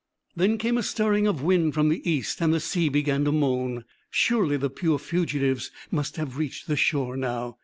There came a stirring of wind from the east, and the sea began to moan. Surely the poor fugitives must have reached the shore now.